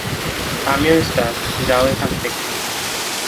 আমিও স্টার, - যাও এখান থেকে।